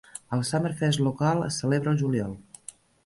El Summerfest local es celebra el juliol.